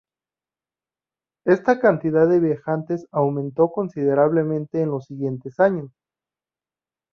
Esta cantidad de viajantes aumentó considerablemente en los siguientes años.